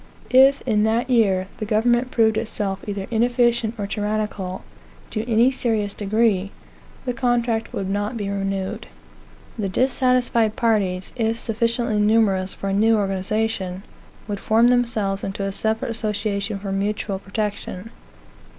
If, in that year, the government proved itself either inefficient or tyrannical, to any serious degree, the contract would not be renewed. The dissatisfied parties, if sufficiently numerous for a new organization, would form themselves into a separate association for mutual protection.